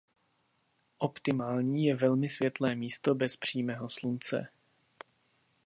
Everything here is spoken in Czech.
Optimální je velmi světlé místo bez přímého slunce.